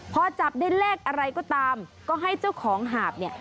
พอจับได้เลขอะไรก็ตามก็ให้เจ้าของหาบเนี่ย